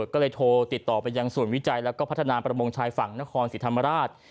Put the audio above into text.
ก็เลยโทรติดต่อไปยังศูนย์วิจัยแล้วก็พัฒนาประมงชายฝั่งนครศรีธรรมราช